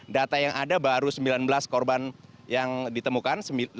data yang ada baru sembilan belas korban yang ditemukan